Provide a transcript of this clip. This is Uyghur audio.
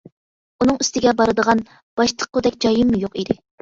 ئۇنىڭ ئۈستىگە بارىدىغان، باش تىققۇدەك جايىممۇ يوق ئىدى.